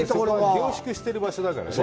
凝縮してる場所だからね。